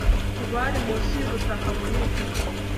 ku bari munsi yubutaka bunini